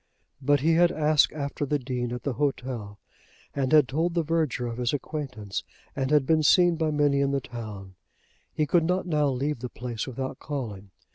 But he had asked after the Dean at the hotel, and had told the verger of his acquaintance, and had been seen by many in the town. He could not now leave the place without calling.